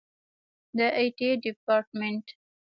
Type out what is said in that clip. د آی ټي ډیپارټمنټ